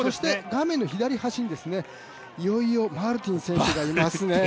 画面の左端にいよいよマルティン選手がいますね。